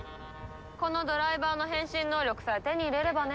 このドライバーの変身能力さえ手に入れればね。